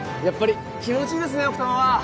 やっぱり気持ちいいですね奥多摩は。